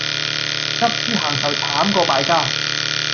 執輸行頭慘過敗家